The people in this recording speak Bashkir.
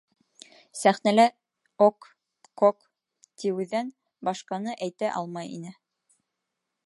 Сәхнәлә «ок», «кок» тиеүҙән башҡаны әйтә алмай ине!